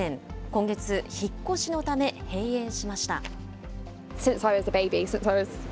今月、引っ越しのため、閉園しました。